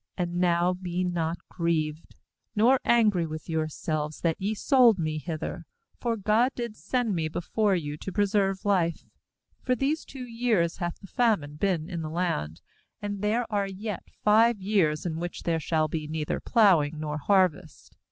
5And now be not grieved, nor angry with yourselves, that ye sold 56 GENESIS 46.3 me hither; for God did send me before you to preserve life. 6For these two years hath the famine been in the land; and there are yet five years, in which there shall be neither plowing nor harvest.